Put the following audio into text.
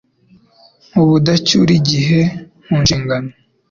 mu budacyurigihe mu nshingano